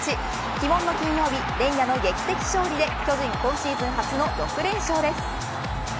鬼門の金曜日連夜の劇的勝利で巨人、今シーズン初の６連勝です。